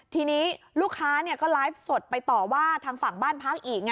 ทีนี้ลูกค้าก็ไลฟ์สดไปต่อว่าทางฝั่งบ้านพักอีก